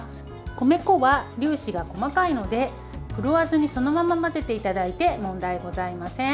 米粉は粒子が細かいので振るわずにそのまま混ぜていただいて問題ございません。